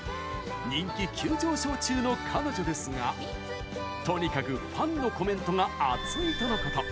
人気急上昇中の彼女ですがとにかくファンのコメントが熱いとのこと。